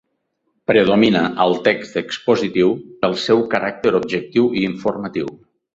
Predomina al text expositiu, pel seu caràcter objectiu i informatiu.